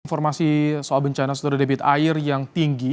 informasi soal bencana sudah ada debit air yang tinggi